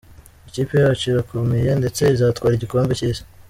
ikipe yacu irakomeye ndetse izatwara igikombe cyisi.